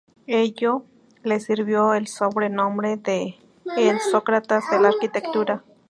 Ello le sirvió el sobrenombre de "el Sócrates de la Arquitectura.